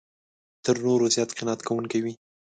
تر نورو زیات قناعت کوونکی وي.